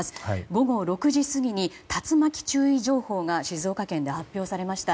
午後６時過ぎに竜巻注意情報が静岡県で発表されました。